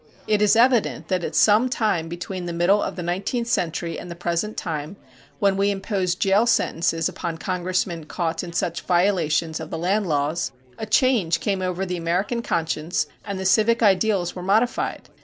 It is evident that at some time between the middle of the nineteenth century and the present time, when we impose jail sentences upon Congressmen caught in such violations of the land laws, a change came over the American conscience and the civic ideals were modified.